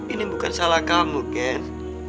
ini bukan salah kamu kan